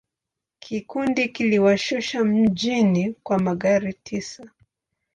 Kikundi kiliwashusha mjini kwa magari tisa.